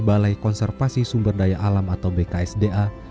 balai konservasi sumber daya alam atau bksda